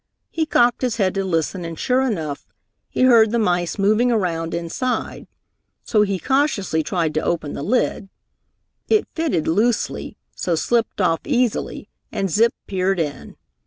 He cocked his head to listen and, sure enough, he heard the mice moving around inside. So he cautiously tried to open the lid. It fitted loosely, so slipped off easily, and Zip peered in.